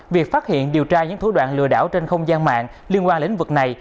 việc phát hiện điều tra những thủ đoạn lừa đảo trên không gian mạng liên quan đến lĩnh vực này